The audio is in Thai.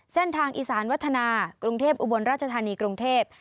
เส้นทางอีสานวัฒนากรุงเทพอุบลราชธานีกรุงเทพ